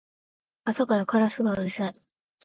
朝からカラスがうるさい